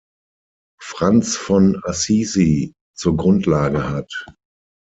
Franz von Assisi zur Grundlage hat.